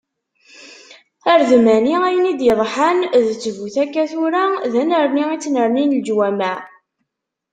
Aredmani, ayen i d-yeḍḥan d ttbut akka tura, d annerni i ttnernin leǧwamaɛ.